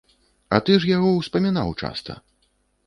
А ты ж яго ўспамінаў часта!